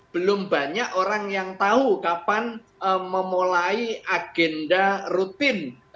belum banyak orang yang tahu kapan memulai agenda rutin